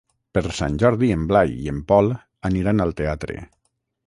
Per Sant Jordi en Blai i en Pol aniran al teatre.